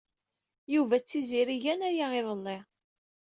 Yuba d Tiziri gan aya iḍelli.